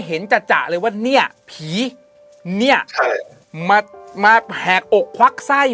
เห็นจัดเลยว่าเนี่ยผีเนี่ยมาแหกอกควักไส้